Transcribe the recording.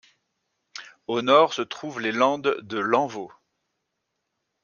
Au nord, se trouvent les landes de Lanvaux.